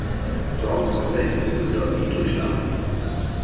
Zoals ik al zei, kunnen we dat niet toestaan.